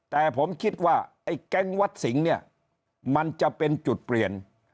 แต่ผมคิดว่าไอ้แก๊งวัดสิงห์เนี่ยมันจะเป็นจุดเปลี่ยน